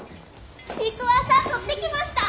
シークワーサー取ってきました。